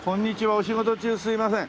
お仕事中すいません。